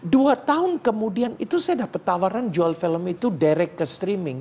dua tahun kemudian itu saya dapat tawaran jual film itu direct ke streaming